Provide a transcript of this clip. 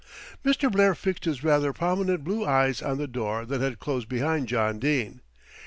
Mr. Blair fixed his rather prominent blue eyes on the door that had closed behind John Dene.